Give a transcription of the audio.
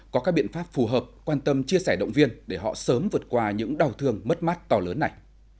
có các biện pháp phù hợp quan tâm chia sẻ động viên để họ sớm vượt qua những đau thương mất mát to lớn này